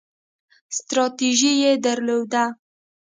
ستراتیژي یې درلوده.